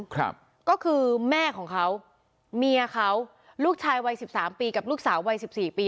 ก็คือแม่ของเขาเมียเขาลูกชายวัย๑๓ปีกับลูกสาววัย๑๔ปี